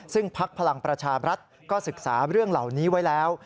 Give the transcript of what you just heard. ซึ่งพักพลังประชาบรัฐก็ศึกษาเรื่องเหล่านี้ไว้แล้ว